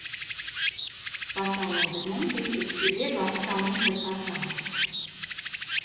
Pasaulei bez mums iztikt ir vieglāk nekā mums bez pasaules.